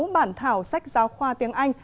sáu bản thảo sách giáo khoa tiếng anh